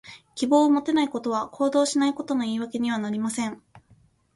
希望を持てないことは、行動しないことの言い訳にはなりません。